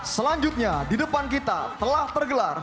selanjutnya di depan kita telah tergelar